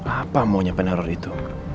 apa mau nyampe naror itu